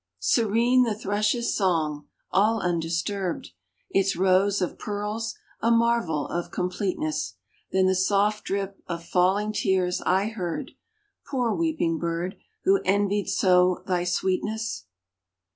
Serene the thrush's song, all undisturbed, Its rows of pearls, a marvel of completeness, Then the soft drip of falling tears I heard, Poor weeping bird, who envied so thy sweetness!